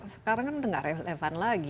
sekarang kan sudah tidak relevan lagi